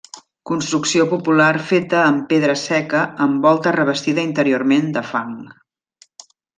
Construcció popular feta amb pedra seca amb volta revestida interiorment de fang.